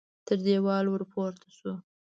تر دېواله ور پورته شو.